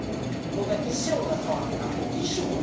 僕は衣装が変わった。